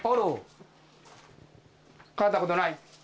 変わったことない？